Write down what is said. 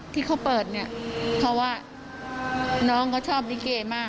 ที่เขาเปิดเพราะว่าน้องก็ชอบดีเกณฑ์มาก